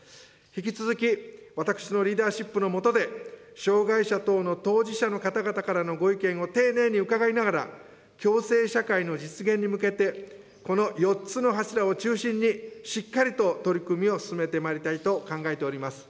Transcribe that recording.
引き続き私のリーダーシップの下で、障害者等の当事者の方々からのご意見を丁寧に伺いながら、共生社会の実現に向けてこの４つの柱を中心にしっかりと取り組みを進めてまいりたいと考えております。